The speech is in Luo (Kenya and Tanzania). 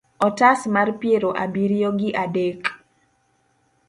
otas mar piero abiriyo gi adek